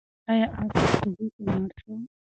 آیا آس په کوهي کې مړ شو؟